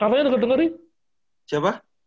katanya denger dengerin siapa